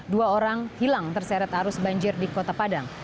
dua orang hilang terseret arus banjir di kota padang